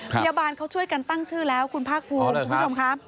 พยาบาลเขาช่วยกันตั้งชื่อแล้วคุณภาคภูมิคุณผู้ชมครับ